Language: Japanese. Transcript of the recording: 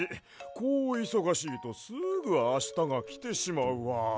こういそがしいとすぐあしたがきてしまうわ。